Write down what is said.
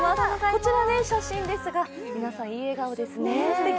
こちら写真ですが、皆さん、いい笑顔ですね。